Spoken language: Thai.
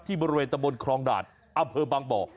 ที่บริเวณตะบมครองดาญอัภเผิร์นปลางบ่อ